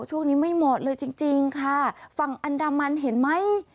ช่วงนี้ไม่เหมาะเลยจริงจริงค่ะฝั่งอันดามันเห็นไหม